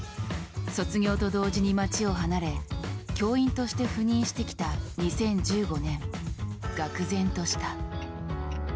卒業と同時に町を離れ教員として赴任してきた２０１５年がく然とした。